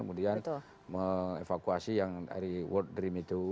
kemudian mengevakuasi yang dari world dream itu